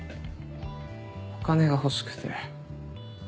お金が欲しくて。